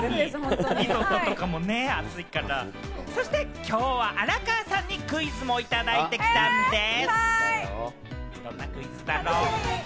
そしてきょうは荒川さんにクイズもいただいてきたんでぃす。